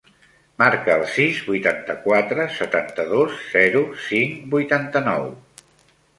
Marca el sis, vuitanta-quatre, setanta-dos, zero, cinc, vuitanta-nou.